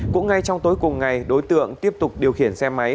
cũng ngay trong tối cùng ngày đối tượng tiếp tục điều khiển xe máy